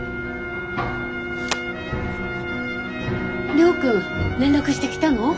亮君連絡してきたの？